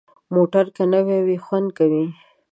موټر که نوي وي، خوند کوي.